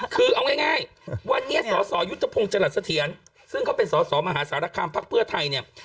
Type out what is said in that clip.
คือเอาง่ายวันนี้สสยุทธพงศ์จรัสเถียรซึ่งเขาเป็นสอสอมหาสารคามพักเพื่อไทยเนี่ย